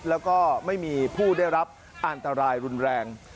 แล้วก็ไม่มีผู้ได้รับอันตรายรุนแรง